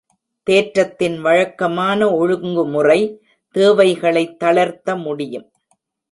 தேற்றத்தின் வழக்கமான ஒழுங்குமுறை தேவைகளை தளர்த்த முடியும்.